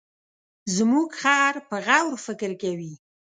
زموږ خر په غور فکر کوي.